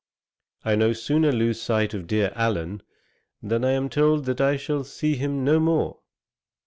I no sooner lose sight of dear Allen, than I am told that I shall see him no more.